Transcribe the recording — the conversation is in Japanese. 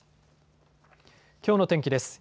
きょうの天気です。